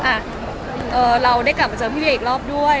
อ่ะเราได้กลับมาเจอพี่เวียอีกรอบด้วย